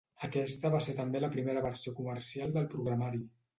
Aquesta va ser també la primera versió comercial del programari.